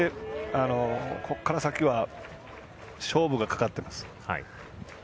ここから先は勝負がかかってます。